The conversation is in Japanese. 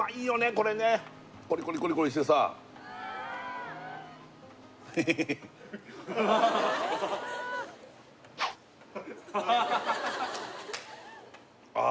これねコリコリコリコリしてさああ